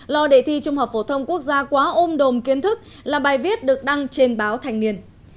lo đề thi trung học phổ thông quốc gia quá ôm đồm kiến thức là bài viết được đăng trên báo thành niên